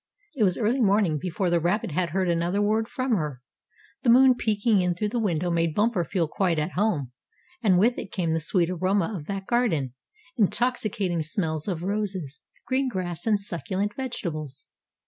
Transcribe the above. It was early morning before the rabbit heard another word from her. The moon peeking in through the window made Bumper feel quite at home, and with it came the sweet aroma of that garden, intoxicating smells of roses, green grass and succulent vegetables.